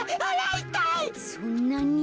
そんなに？